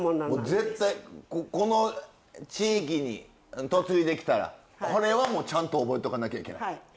もう絶対この地域に嫁いできたらこれはもうちゃんと覚えとかなきゃいけない。